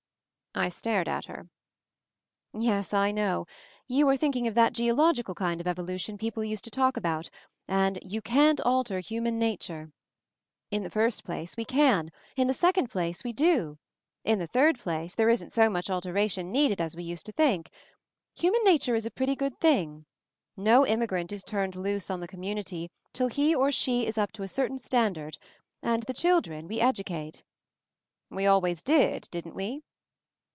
I stared at her. "Yes, I know! You are thinking of that geological kind of evolution people used to talk about, and 'you can't alter human na ture.' In the first place, we can. In the second place, we do. In the third place, there isn't so much alteration needed as we used to think. Human nature is a pretty good thing. No immigrant is turned loose on the community till he or she is up to a certain standard, and the children we edu cate." "We always did, didn't we?"